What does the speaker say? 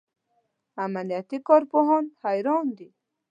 امنیتي کارپوهان حیران دي.